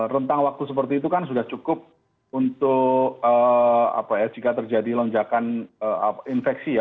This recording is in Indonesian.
rentang waktu seperti itu kan sudah cukup untuk jika terjadi lonjakan infeksi ya